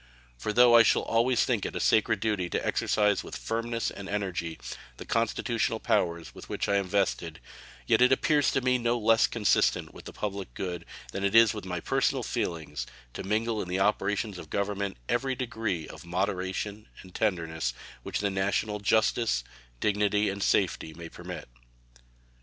For though I shall always think it a sacred duty to exercise with firmness and energy the constitutional powers with which I am vested, yet it appears to me no less consistent with the public good than it is with my personal feelings to mingle in the operations of Government every degree of moderation and tenderness which the national justice, dignity, and safety may permit.